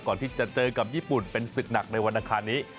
ก่อนที่จะเจอกับญี่ปุ่นเป็นศึกหนักในวันอังคารนี้